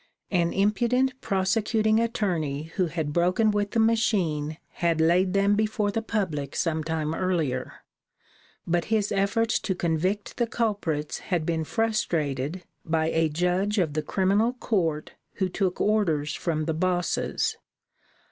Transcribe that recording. An impudent prosecuting attorney who had broken with the machine had laid them before the public some time earlier; but his efforts to convict the culprits had been frustrated by a judge of the criminal court who took orders from the bosses.